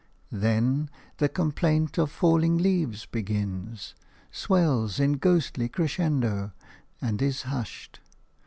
Then the complaint of falling leaves begins, swells in a ghostly crescendo, and is hushed.